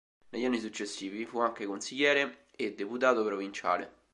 Negli anni successivi fu anche consigliere e deputato provinciale.